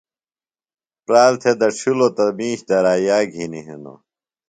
پرال تھےۡ دڇِھلوۡ تہ مِیش درائِیا گِھنیۡ ہِنوۡ۔